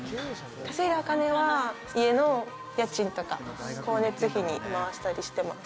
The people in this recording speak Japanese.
稼いだお金は家の家賃とか光熱費にまわしたりしてます。